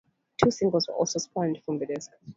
Two singles were also spawned from the disc.